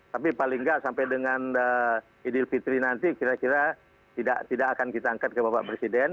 tapi paling tidak sampai dengan idil fitri nanti kira kira tidak akan kita angkat kepada pak presiden